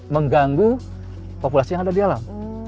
mengganggu populasi yang ada di alam